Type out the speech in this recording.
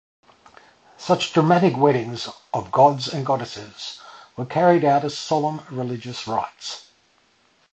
Such dramatic weddings of gods and goddesses were carried out as solemn religious rites.